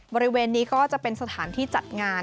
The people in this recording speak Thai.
บริเวณนี้ก็จะเป็นสถานที่จัดงาน